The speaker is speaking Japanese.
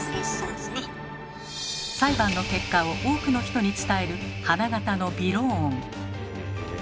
裁判の結果を多くの人に伝える花形の「びろーん」。